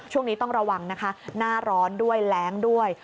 ช่วงนี้ต้องระวังนะคะหน้าร้อนด้วยแรงด้วย